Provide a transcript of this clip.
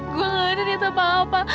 gue gak ada dita apa apa